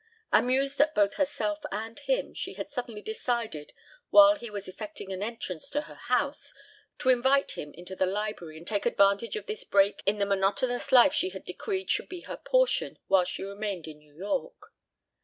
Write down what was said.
Amused at both herself and him, she had suddenly decided, while he was effecting an entrance to her house, to invite him into the library and take advantage of this break in the monotonous life she had decreed should be her portion while she remained in New York.